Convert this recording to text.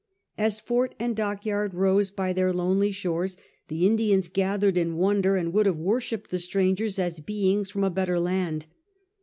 As fort and dockyard rose by their lonely shores the Indians gathered in wonder and would have worshipped the strangers as beings from a better land.